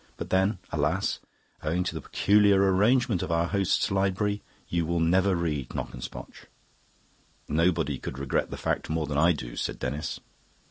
But then, alas! owing to the peculiar arrangement of our host's library, you never will read Knockespotch." "Nobody could regret the fact more than I do," said Denis.